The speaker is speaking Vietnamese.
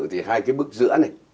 thì hai cái bức giữa này